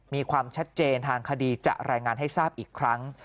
มีความชัดเจนทางคดีจะรายงานให้ทราบอีกครั้ง